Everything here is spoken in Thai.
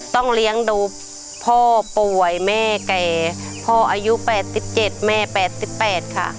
ต้องเลี้ยงดูพ่อป่วยแม่แก่พ่ออายุแปดสิบเจ็ดแม่แปดสิบแปดค่ะ